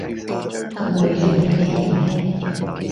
噉會係啲咩人呢？